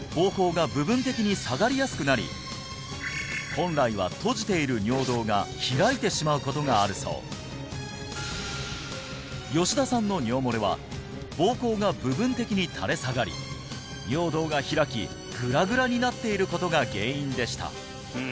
本来は閉じている尿道が開いてしまうことがあるそう吉田さんの尿もれは膀胱が部分的に垂れ下がり尿道が開きぐらぐらになっていることが原因でした